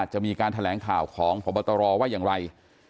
จะมีการแถลงข่าวของพบตรว่าอย่างไร